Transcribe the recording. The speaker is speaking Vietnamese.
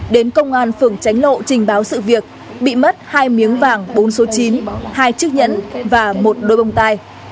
đến công an phường tránh lộ trình báo sự việc bị mất hai miếng vàng bốn số chín hai chiếc nhẫn và một đôi bông tai